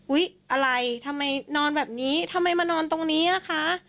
อะไรทำไมนอนแบบนี้ทำไมมานอนตรงนี้อ่ะคะ